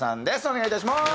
お願いいたします。